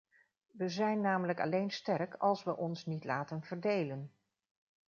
We zijn namelijk alleen sterk als we ons niet laten verdelen.